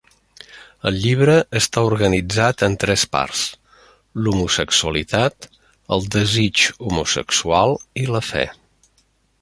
El llibre està organitzat en tres parts: l'homosexualitat, el desig homosexual i la fe.